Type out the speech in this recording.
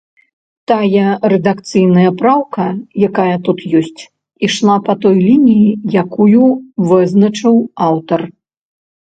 Тая рэдакцыйная праўка, якая тут ёсць, ішла па той лініі, якую вызначыў аўтар.